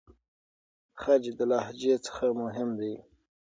خج د لهجې څخه مهم دی.